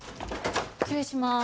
失礼します。